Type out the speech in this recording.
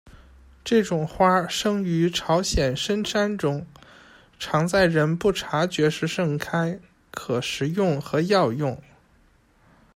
这种花生于朝鲜深山中，常在人不察觉时盛开，可食用和药用。